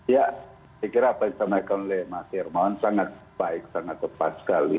ya saya kira apa yang disampaikan oleh mas hermawan sangat baik sangat tepat sekali